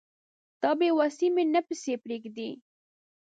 دا بې وسي مي نه پسې پرېږدي